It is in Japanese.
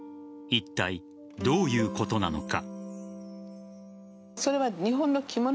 いったいどういうことなのか。